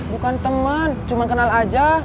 bukan temen cuman kenal aja